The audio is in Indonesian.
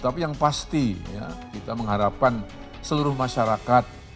tapi yang pasti kita mengharapkan seluruh masyarakat